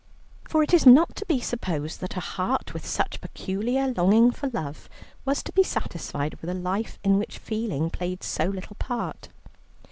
For it is not to be supposed that a heart with such peculiar longing for love was to be satisfied with a life in which feeling played so little part.